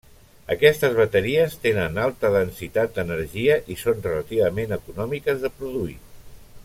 Aquestes bateries tenen alta densitat d'energia i són relativament econòmiques de produir.